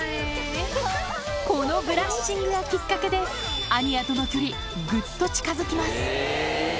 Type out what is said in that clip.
このブラッシングがきっかけで、アニヤとの距離、ぐっと近づきます。